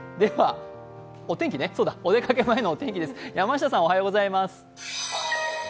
お出かけ前のお天気です。